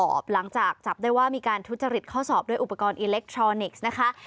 หลังจากจับได้ว่ามีการทุจริตข้อสอบด้วยอุปกรณ์อิเล็กทรอนิกส์นะคะ